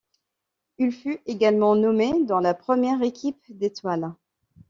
Il fut également nommé dans la première équipe d'étoiles.